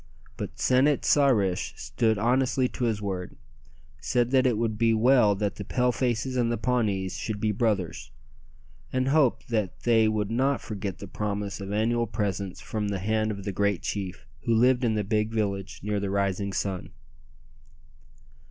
But San it sa rish stood honestly to his word, said that it would be well that the Pale faces and the Pawnees should be brothers, and hoped that they would not forget the promise of annual presents from the hand of the great chief who lived in the big village near the rising sun.